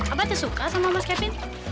abah teh suka sama mas kevin